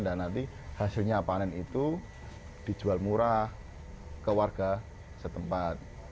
dan nanti hasilnya panen itu dijual murah ke warga setempat